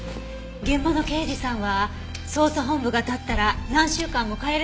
現場の刑事さんは捜査本部が立ったら何週間も帰れない事があります。